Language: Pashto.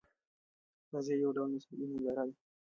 تعزیه یو ډول مذهبي ننداره ده.